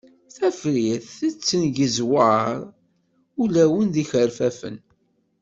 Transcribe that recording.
Tafrirt tettengeẓwaṛ ulawen d ikerfafen.